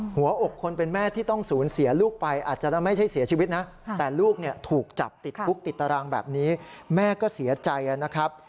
หัวอกคนเป็นแม่ที่ต้องสูญเสียลูกไปอาจจะไม่ใช่เสียชีวิตนะแต่ลูกเนี่ยถูกจับติดคุกติดตารางแบบนี้แม่ก็เสียใจนะครับ